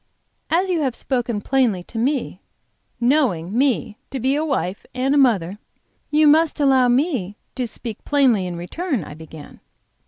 "As you have spoken plainly to me, knowing, me, to be a wife and a mother, you must allow me to 'speak plainly in return," I began.